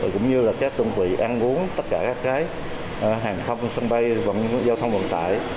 cũng như là các đơn vị ăn uống tất cả các cái hàng thông sân bay giao thông vận tải